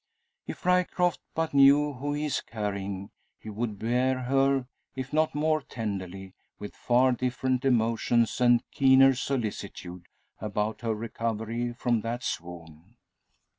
If Ryecroft but knew who he is carrying, he would bear her, if not more tenderly, with far different emotions, and keener solicitude about her recovery from that swoon.